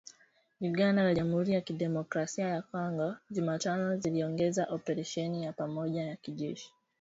Uganda na Jamhuri ya Kidemokrasi ya Kongo Jumatano ziliongeza oparesheni ya pamoja ya kijeshi